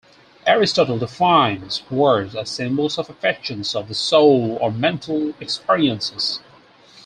Aristotle defines words as symbols of 'affections of the soul' or mental experiences.